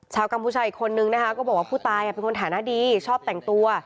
กัมพูชาอีกคนนึงนะคะก็บอกว่าผู้ตายเป็นคนฐานะดีชอบแต่งตัว